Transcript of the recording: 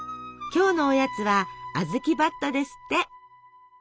今日のおやつはあずきばっとですって。